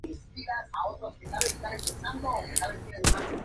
Finalmente, reconcilió con su madre y regresó a completar sus estudios.